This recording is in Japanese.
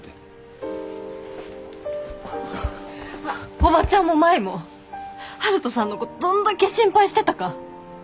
おばちゃんも舞も悠人さんのことどんだけ心配してたか。